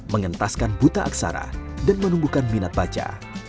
mengentaskan buta aksara dan menumbuhkan minat baca